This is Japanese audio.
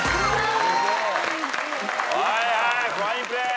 はいはいファインプレー。